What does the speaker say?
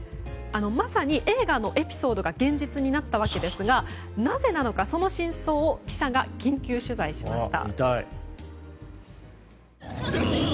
まさに、映画のエピソードが現実になったわけですがなぜなのかその真相を記者が緊急取材しました。